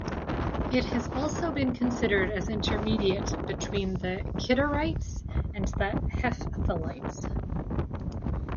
It has also been considered as intermediate between the Kidarites and the Hephthalites.